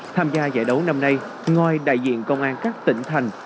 tham gia giải đấu năm nay ngoài đại diện công an các tỉnh thành